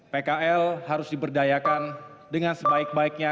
pkl harus diberdayakan dengan sebaik baiknya